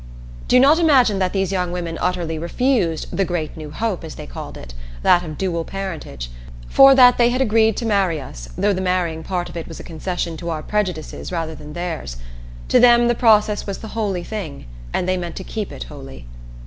Do not imagine that these young women utterly refused "the Great New Hope," as they called it, that of dual parentage. For that they had agreed to marry us, though the marrying part of it was a concession to our prejudices rather than theirs. To them the process was the holy thing and they meant to keep it holy.